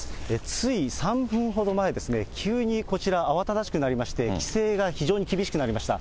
つい３分ほど前、急にこちら、慌ただしくなりまして、規制が非常に厳しくなりました。